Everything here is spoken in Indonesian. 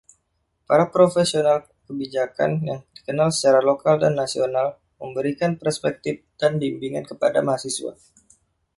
Para profesional kebijakan yang dikenal secara lokal dan nasional, memberikan perspektif dan bimbingan kepada mahasiswa.